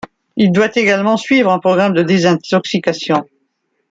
Il doit également suivre un programme de désintoxication.